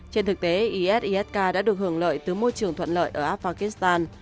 trên thực tế is isk đã được hưởng lợi từ môi trường thuận lợi ở afghanistan